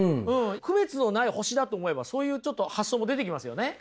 区別のない星だと思えばそういうちょっと発想も出てきますよね。